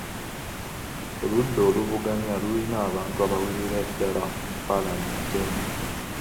Oludda oluvuganya lulina abantu abawerera ddala mu Paalamenti eno.